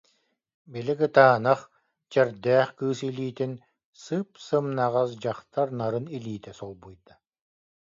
Били кытаанах, чэрдээх кыыс илиитин, сып-сымнаҕас дьахтар нарын илиитэ солбуйда